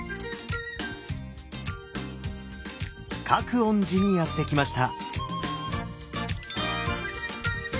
覚園寺にやって来ました。